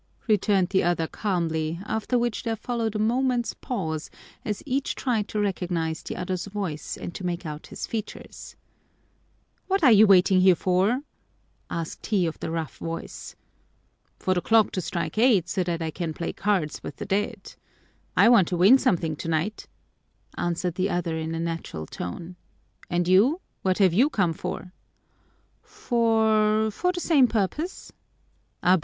returned the other calmly, after which there followed a moment's pause as each tried to recognize the other's voice and to make out his features. "What are you waiting here for?" asked he of the rough voice. "For the clock to strike eight so that I can play cards with the dead. I want to win something tonight," answered the other in a natural tone. "And you, what have you come for?" "For for the same purpose." "_Abá!